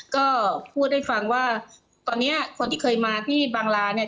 ก็พูดให้ฟังว่าตอนนี้คนที่เคยมาที่บางลาเนี่ย